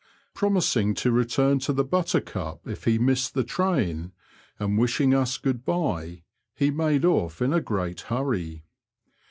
Promising to return to the Buttercup if he missed the train, and wishing us good bye, he made off in a great hurry.